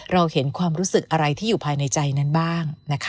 เราเห็นความรู้สึกอะไรที่อยู่ภายในใจนั้นบ้างนะคะ